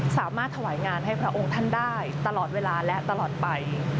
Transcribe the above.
สามารถถวายงานให้พระองค์ท่านได้ตลอดเวลาและตลอดไป